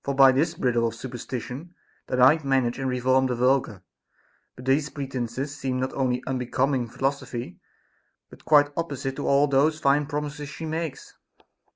by this bridle of superstition they might manage and reform the vulgar ; but these pretences seem not only unbecoming philosophy, but quite opposite to all those fine promises she makes.